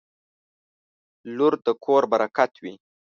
• لور د کور برکت وي.